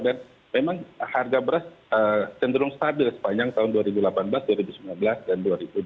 dan memang harga beras cenderung stabil sepanjang tahun dua ribu delapan belas dua ribu sembilan belas dan dua ribu dua puluh